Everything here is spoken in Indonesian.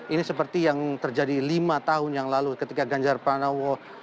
ini seperti yang terjadi lima tahun yang lalu ketika ganjar pranowo